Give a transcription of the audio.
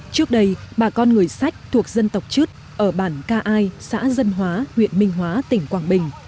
trước đây bà con người sách thuộc dân tộc chứt ở bản ca ai xã dân hóa huyện minh hóa tỉnh quảng bình